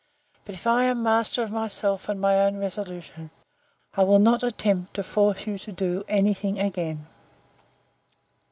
But if I am master of myself, and my own resolution, I will not attempt to force you to any thing again.